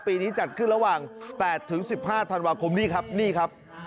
ปีนี้จัดขึ้นระหว่าง๘ถึง๑๕ธันวาคมนี่ครับ